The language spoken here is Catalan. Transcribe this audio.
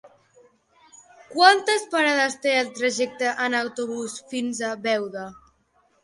Quantes parades té el trajecte en autobús fins a Beuda?